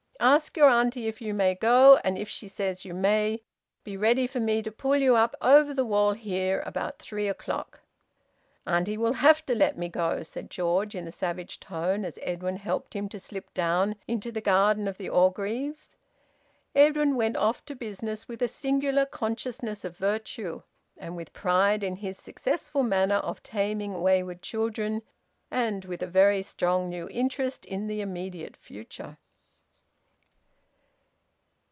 Ask your auntie if you may go, and if she says you may, be ready for me to pull you up over the wall here, about three o'clock." "Auntie will have to let me go," said George, in a savage tone, as Edwin helped him to slip down into the garden of the Orgreaves. Edwin went off to business with a singular consciousness of virtue, and with pride in his successful manner of taming wayward children, and with a very strong new interest in the immediate future.